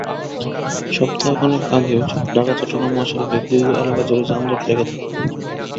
সপ্তাহ খানেক আগেও ঢাকা চট্টগ্রাম মহাসড়কে দীর্ঘ এলাকাজুড়ে যানজট লেগে থাকত।